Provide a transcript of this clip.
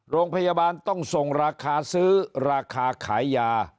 โรงพยาบาลต้องส่งราคาซื้อราคาขายยา